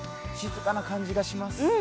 静かな感じがします。